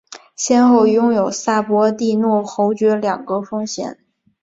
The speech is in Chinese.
先后拥有萨博蒂诺侯爵两个封衔。